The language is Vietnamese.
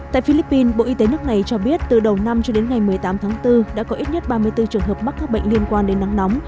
tại philippines bộ y tế nước này cho biết từ đầu năm cho đến ngày một mươi tám tháng bốn đã có ít nhất ba mươi bốn trường hợp mắc các bệnh liên quan đến nắng nóng